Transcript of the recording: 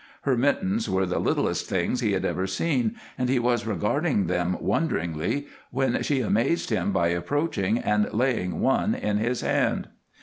Her mittens were the littlest things he had ever seen and he was regarding them wonderingly when she amazed him by approaching and laying one in his hand.